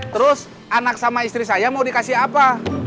terus anak sama istri saya mau dikasih apa